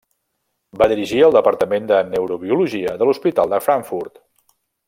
Va dirigir el departament de neurobiologia de l'hospital de Frankfurt.